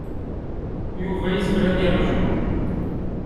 Yuba yezmer ad yeṛju.